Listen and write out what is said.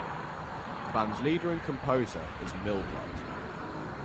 The band's leader and composer is Milbrodt.